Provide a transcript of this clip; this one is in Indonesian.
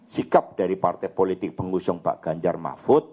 sikap dari partai politik pengusung pak ganjar mahfud